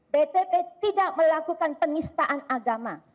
btp tidak melakukan penistaan agama